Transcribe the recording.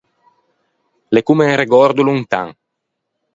L’é comme un regòrdo lontan.